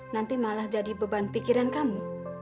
nanti malah jadi beban pikiran kamu